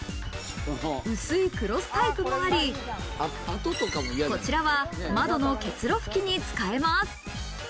薄いクロスタイプもあり、こちらは窓の結露拭きに使えます。